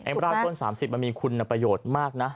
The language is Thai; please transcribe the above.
รากต้น๓๐มันมีคุณประโยชน์มากนะ